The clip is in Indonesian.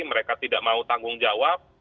mereka tidak mau tanggung jawab